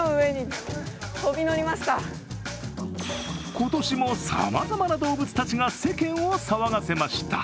今年もさまざまな動物たちが世間を騒がせました。